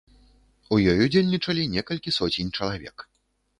У ёй удзельнічалі некалькі соцень чалавек.